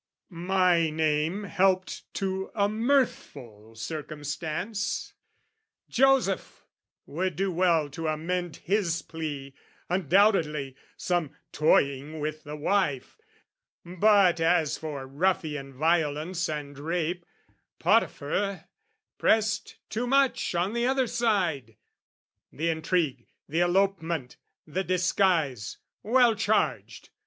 My name helped to a mirthful circumstance: "Joseph" would do well to amend his plea: Undoubtedly some toying with the wife, But as for ruffian violence and rape, Potiphar pressed too much on the other side! The intrigue, the elopement, the disguise, well charged!